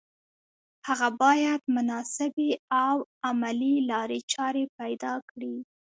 هغه باید مناسبې او عملي لارې چارې پیدا کړي